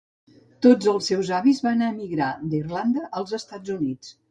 Tots els seus avis van emigrar d'Irlanda als Estats Units.